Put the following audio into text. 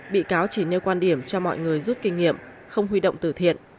bị cáo chỉ nêu quan điểm cho mọi người rút kinh nghiệm không huy động từ thiện